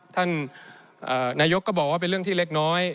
ท่านนายกก็บอกว่าเป็นเรื่องที่เล็กน้อย